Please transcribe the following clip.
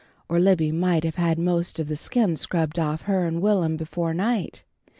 "Or Libby might have had most of the skin scrubbed off her and Will'm before night.